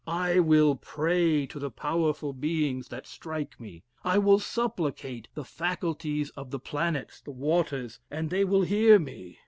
I will pray to the powerful beings that strike me. I will supplicate the faculties of the planets, the waters, and they will hear me.